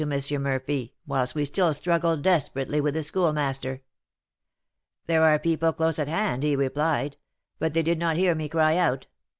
Murphy, whilst we still struggled desperately with the Schoolmaster. 'There are people close at hand,' he replied; 'but they did not hear me cry out.'